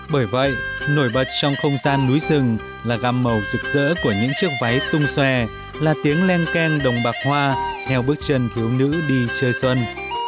bởi vậy nổi bật trong không gian núi rừng là gam màu rực rỡ của những chiếc váy tung xòe là tiếng len keng đồng bạc hoa theo bước chân thiếu nữ đi chơi xuân